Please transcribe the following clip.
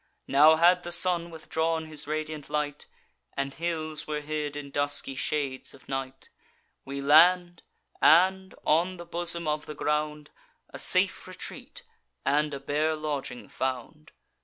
Now had the sun withdrawn his radiant light, And hills were hid in dusky shades of night: We land, and, on the bosom of the ground, A safe retreat and a bare lodging found.